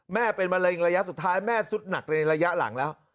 แม่เป็นมะเร็งระยะสุดท้ายแม่สุดหนักในระยะหลังแล้ว